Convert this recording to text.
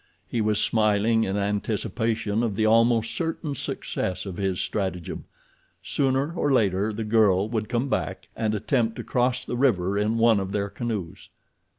He was smiling in anticipation of the almost certain success of his stratagem—sooner or later the girl would come back and attempt to cross the river in one of their canoes.